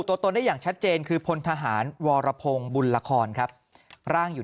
ตัวตนได้อย่างชัดเจนคือพลทหารวรพงศ์บุญละครครับร่างอยู่